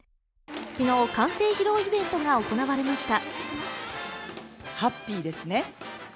昨日、完成披露イベントが行われました。